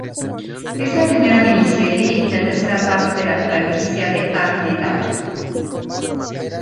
Es la primera miniserie y la tercera parte de la franquicia de Arne Dahl.